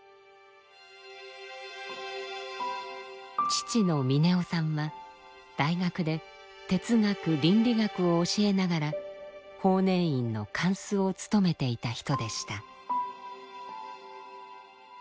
父の峰雄さんは大学で哲学倫理学を教えながら法然院の貫主をつとめていた人でした。